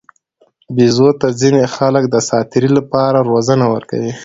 بیزو ته ځینې خلک د ساتیرۍ لپاره روزنه ورکوي.